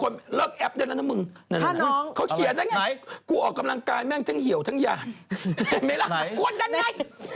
ไม่รักเกินเถินไง